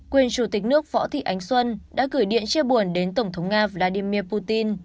quyền chủ tịch nước võ thị ánh xuân đã gửi điện chia buồn đến tổng thống nga vladimir putin